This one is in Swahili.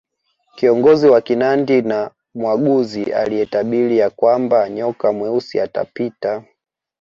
Kiongozi wa Kinandi na mwaguzi aliyetabiri ya kwamba nyoka mweusi atapita